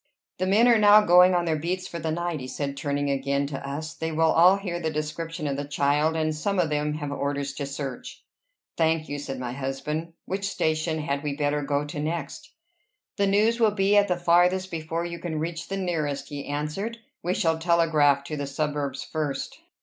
"The men are now going on their beats for the night," he said, turning again to us. "They will all hear the description of the child, and some of them have orders to search." "Thank you," said my husband. "Which station had we better go to next?" "The news will be at the farthest before you can reach the nearest," he answered. "We shall telegraph to the suburbs first."